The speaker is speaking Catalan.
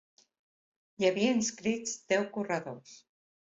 Hi havia inscrits deu corredors.